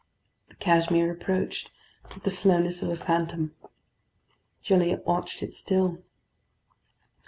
The Cashmere approached with the slowness of a phantom. Gilliatt watched it still.